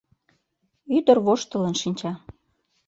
Ӱдыр воштылын шинча